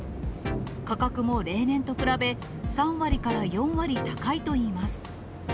価格も例年と比べ、３割から４割高いといいます。